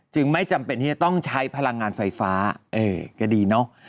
ไม่จำเป็นที่จะต้องใช้พลังงานไฟฟ้าก็ดีเนอะ